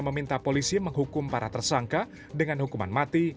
meminta polisi menghukum para tersangka dengan hukuman mati